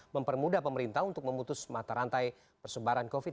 mempermudah pemerintah untuk memutus mata rantai persebaran covid sembilan belas